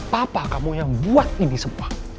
papa kamu yang buat ini semua